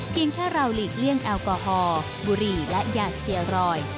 แค่เราหลีกเลี่ยงแอลกอฮอล์บุรีและยาสเตียรอยด์